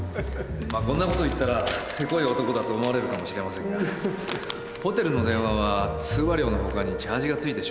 まあこんなこと言ったらせこい男だと思われるかも知れませんがホテルの電話は通話料のほかにチャージが付いてしまうんですよ。